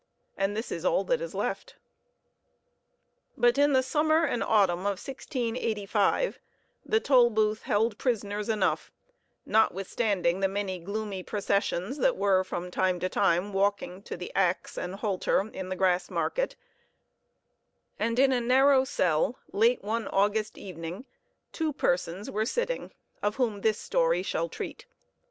And this is all that is left. But in the summer and autumn of 1685 the Tolbooth held prisoners enough, notwithstanding the many gloomy processions that were from time to time walking to the axe and halter in the Grassmarket; and in a narrow cell, late one August evening, two persons were sitting of whom this story shall treat.